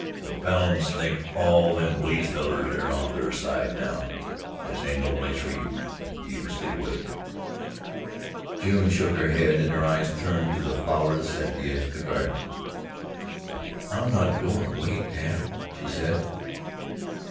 The Falins'll think all them police fellers air on their side now. This ain't no place fer you you must git away." June shook her head and her eyes turned to the flowers at the edge of the garden: "I'm not goin' away, Dad," she said.